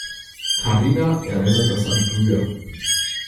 Karina erinnert das an früher.